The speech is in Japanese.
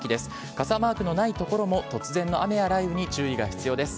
傘マークのない所も、突然の雨や雷雨に注意が必要です。